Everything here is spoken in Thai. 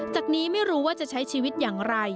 จากนี้ไม่รู้ว่าจะใช้ชีวิตอย่างไร